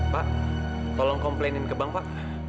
pak tolong komplainin ke bank pak